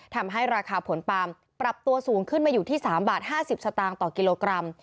ทำให้ราคาผลปาล์มปรับตัวสูงขึ้นมาอยู่ที่๓บาท๕๐สตางค์ต่อกิโลกรัม